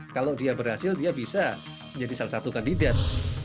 kalau dia berhasil dia bisa menjadi salah satu kandidat